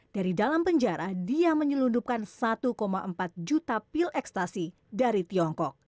dari dalam penjara dia menyelundupkan satu empat juta pil ekstasi dari tiongkok